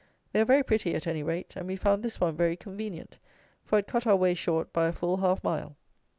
They are very pretty, at any rate, and we found this one very convenient; for it cut our way short by a full half mile.